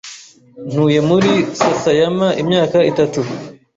Ntuye muri Sasayama imyaka itatu.